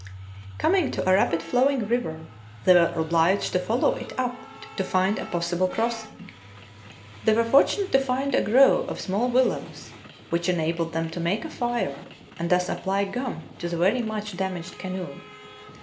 Coming to a rapid flowing river, they were obliged to follow it up to find a possible crossing. They were fortunate to find a grove of small willows, which en abled them to make a fire and thus apply gum to the very much damaged canoe.